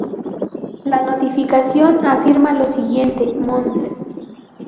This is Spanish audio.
La notificación afirma lo siguiente:Mons.